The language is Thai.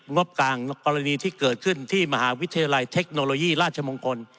งบกลางกรณีที่เกิดขึ้นที่มหาวิทยาลัยเทคโนโลยีราชมงคล